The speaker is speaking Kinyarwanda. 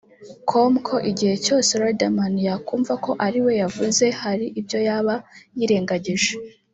com ko igihe cyose Riderman yakumva ko ariwe yavuze hari ibyo yaba yirengagije